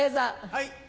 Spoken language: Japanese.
はい。